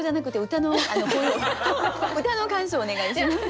歌の感想をお願いします。